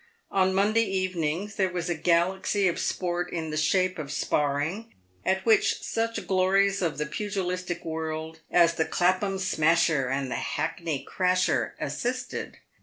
On Monday evenings there was a galaxy of sport in the shape of sparring, at which such glories of the pugi listic world as the Clapham Smasher and the Hackney Crasher as sisted.